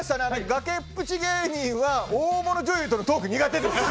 がけっぷち芸人は大物女優とのトーク、苦手です。